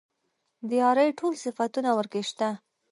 د يارۍ ټول صفتونه ورکې شته.